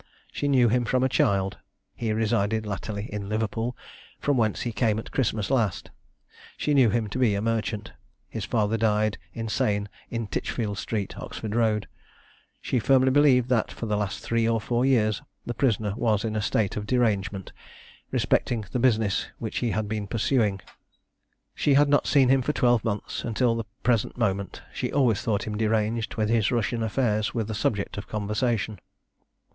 She knew him from a child. He resided latterly at Liverpool, from whence he came at Christmas last. She knew him to be a merchant. His father died insane in Titchfield street, Oxford road; she firmly believed that, for the last three or four years, the prisoner was in a state of derangement, respecting the business which he had been pursuing. She had not seen him for twelve months until the present moment. She always thought him deranged when his Russian affairs were the subject of conversation.